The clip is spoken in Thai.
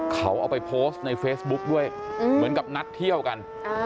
เขาเอาไปโพสต์ในเฟซบุ๊กด้วยเหมือนกับนัดเที่ยวกัน